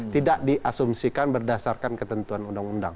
tidak diasumsikan berdasarkan ketentuan undang undang